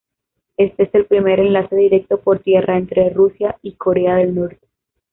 Este es el primer enlace directo por tierra entre Rusia y Corea del Norte.